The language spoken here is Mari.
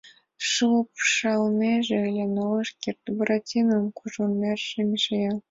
Шупшалнеже ыле, но ыш керт — Буратинон кужу нерже мешая.